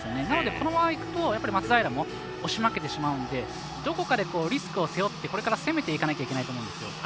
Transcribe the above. なので、このままいくと松平も押し負けてしまうのでどこかでリスクを背負ってこれから攻めていかないといけないと思うんです。